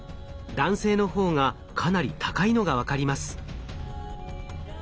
男性のほうがかなり高いのが分かります。